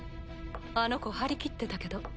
あの子張り切ってたけど。